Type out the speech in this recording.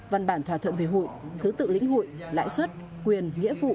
văn bản thỏa thuận về hụi thứ tự lĩnh hụi lãi suất quyền nghĩa vụ